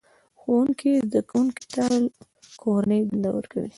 ښوونکی زده کوونکو ته کورنۍ دنده ورکوي